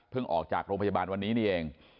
ออกจากโรงพยาบาลวันนี้นี่เอง